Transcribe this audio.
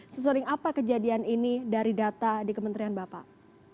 sesering apa kejadian ini dari data di kementerian bapak